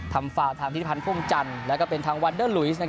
ทำฟาวน์ทำธิพันธ์พรุ่งจันทร์แล้วก็เป็นทางวัลเดอร์ลุยส์